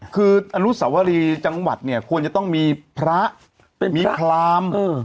คืออนุสาวรีจังหวัดเนี่ยควรจะต้องมีพระเป็นพระมีคลามเออ